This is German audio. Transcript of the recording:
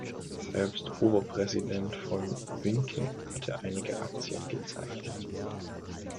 Selbst Oberpräsident von Vincke hatte einige Aktien gezeichnet.